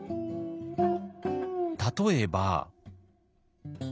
例えば。